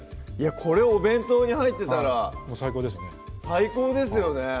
これお弁当に入ってたら最高ですよね最高ですよねぇ